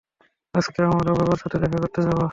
আজকে আমরা বাবার সাথে দেখা করতে যাব।